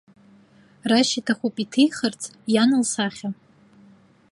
Рашь иҭахуп иҭихырц иан лсахьа.